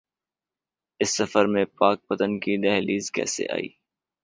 اس سفر میں پاک پتن کی دہلیز کیسے آئی؟